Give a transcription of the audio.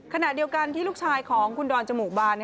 ขณะเดียวกันที่ลูกชายของคุณดอนจมูกบาน